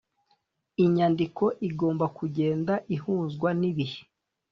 inyandiko igomba kugenda ihuzwa n'ibihe.